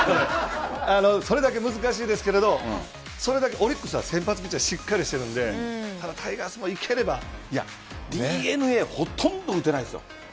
それだけ難しいですけれどそれだけオリックスは先発ピッチャーがしっかりしているのでＤｅＮＡはほとんど打てないですよ。